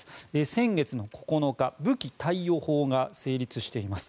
先月の９日武器貸与法が成立しています。